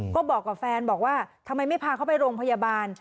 ก็บอกกับแฟนบอกว่าทำไมไม่พาเขาไปโรงพยาบาล